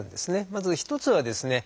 まず一つはですね